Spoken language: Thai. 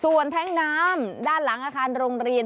ส่วนแท้งน้ำด้านหลังอาคารโรงเรียน